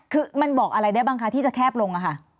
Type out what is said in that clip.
คือมันบอกอะไรได้บ้างคะที่จะแคบลงค่ะ